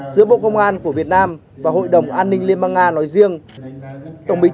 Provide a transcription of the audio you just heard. giữa bộ công an của việt nam và hội đồng an ninh liên bang nga nói riêng